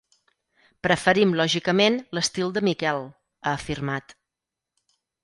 “Preferim lògicament l’estil de Miquel”, ha afirmat.